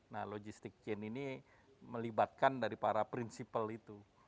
nah logistic chain ini melibatkan dari para prinsipal itu